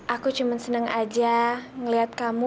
aku cuman seneng aja ngeliat kamu